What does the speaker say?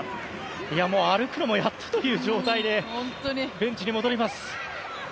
いや、歩くのもやっとという状態でベンチに戻ります。